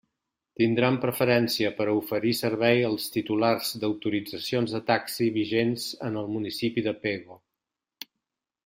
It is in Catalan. Tindran preferència per a oferir servei els titulars d'autoritzacions de taxi vigents en el municipi de Pego.